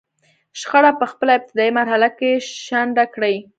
شخړه په خپله ابتدايي مرحله کې شنډه کړي.